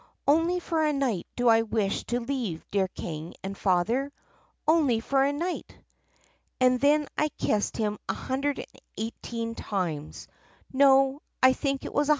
Only for a night do I wish to leave, dear King and Father — only for a night!' "And then I kissed him 118 times — no, I think it was 121.